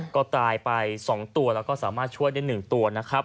ก็ตายไป๒ตัวแล้วก็สามารถช่วยได้๑ตัวนะครับ